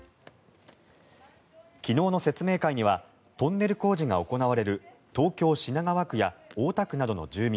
昨日の説明会にはトンネル工事が行われる東京・品川区や大田区などの住民